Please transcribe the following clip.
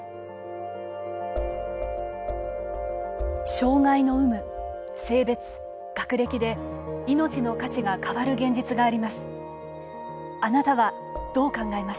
障害の有無、性別、学歴でいのちの価値が変わる現実があります。